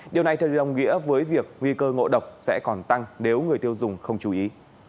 điều này thêm đồng nghĩa với việc nguy cơ ngộ độc sẽ còn tăng nếu người tiêu dùng không chú ý